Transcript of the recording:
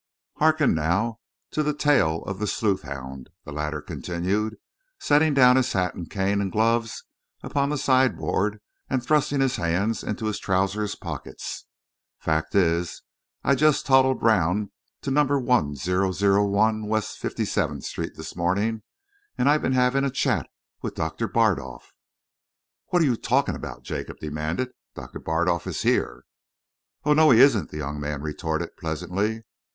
"Hearken now to the tale of the sleuthhound," the latter continued, setting down his hat, cane and gloves upon the sideboard and thrusting his hands into his trousers pockets. "Fact is, I just toddled round to Number 1001 West Fifty seventh Street this morning, and I've been having a chat with Doctor Bardolf." "What are you talking about?" Jacob demanded. "Doctor Bardolf is here." "Oh, no, he isn't!" the young man retorted pleasantly.